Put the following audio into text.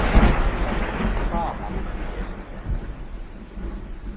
Katselin saamamme viestiä.